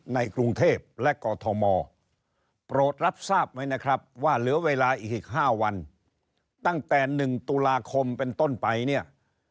ในกรุงเทพและกอทมโปรดรับทราบไหมนะครับว่าเหลือเวลาอีก๕วันตั้งแต่๑ตุลาคมเป็นต้นไปเนี่ย